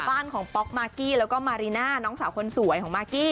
บ้านของป๊อกมากกี้แล้วก็มารีน่าน้องสาวคนสวยของมากกี้